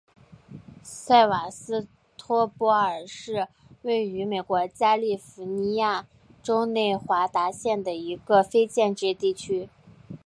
塞瓦斯托波尔是位于美国加利福尼亚州内华达县的一个非建制地区。